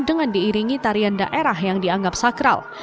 dengan diiringi tarian daerah yang dianggap sakral